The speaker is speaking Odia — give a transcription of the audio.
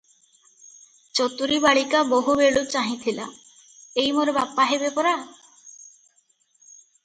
ଚତୁରୀ ବାଳିକା ବହୁବେଳୁ ଚାହିଁ ଥିଲା- ଏଇ ମୋର ବାପା ହେବେ ପରା?